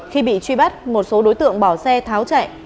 khi bị truy bắt một số đối tượng bỏ xe tháo chạy